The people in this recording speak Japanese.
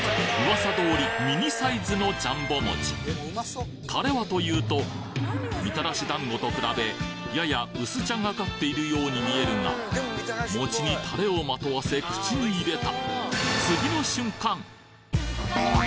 噂通りミニサイズのジャンボ餅タレはというとみたらし団子と比べやや薄茶がかっているように見えるが餅にタレをまとわせ口に入れたなに！